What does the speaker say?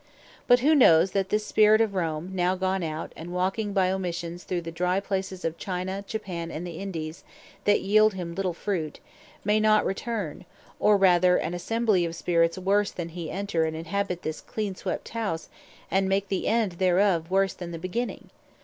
But who knows that this Spirit of Rome, now gone out, and walking by Missions through the dry places of China, Japan, and the Indies, that yeeld him little fruit, may not return, or rather an Assembly of Spirits worse than he, enter, and inhabite this clean swept house, and make the End thereof worse than the beginning?